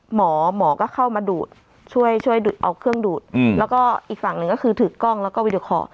หมอหมอก็เข้ามาดูดช่วยช่วยเอาเครื่องดูดแล้วก็อีกฝั่งหนึ่งก็คือถือกล้องแล้วก็วิดีคอร์